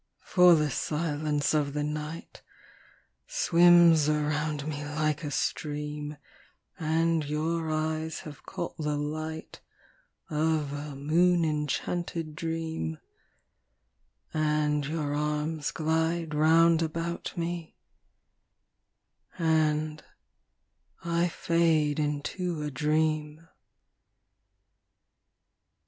For the silence of the night Swims around me like a stream, And your eyes have caught the light Of a moon enchanted dream, And your arms glide round about me, And I fade into a dream.